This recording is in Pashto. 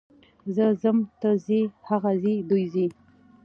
زه ځم، ته ځې، هغه ځي، دوی ځي.